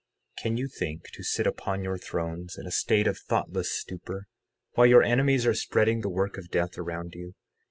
60:7 Can you think to sit upon your thrones in a state of thoughtless stupor, while your enemies are spreading the work of death around you?